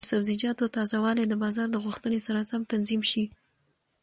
د سبزیجاتو تازه والي د بازار د غوښتنې سره سم تنظیم شي.